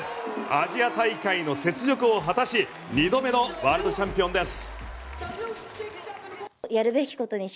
アジア大会の雪辱を果たし２度目のワールドチャンピオンです。